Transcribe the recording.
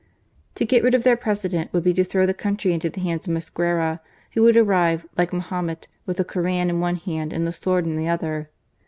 To get rid of their President would be to throw the country into the hands of Mosquera, who would arrive, like Mahomet, with the Koran in one hand and the sword in the other.